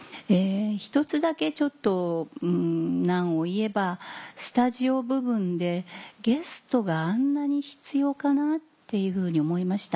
１つだけちょっと難を言えばスタジオ部分でゲストがあんなに必要かなっていうふうに思いました。